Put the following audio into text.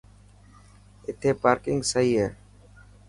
اٿي پارڪنگ سهي هي.